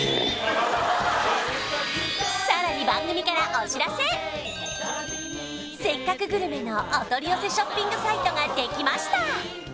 さらに「せっかくグルメ！！」のお取り寄せショッピングサイトができました